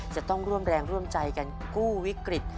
จะต้องร่วมแรงร่วมใจกันกู้วิกฤต